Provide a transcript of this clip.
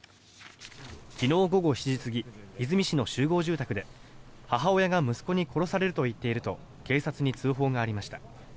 昨日午後７時過ぎ和泉市の集合住宅で母親が息子に殺されると言っていると警察に通報がありました。